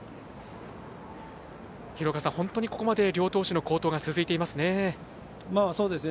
本当にここまで両投手の好投が続いていますね。